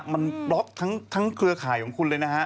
มันบล็อกทั้งเครือข่ายของคุณเลยนะฮะ